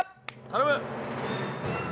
頼む！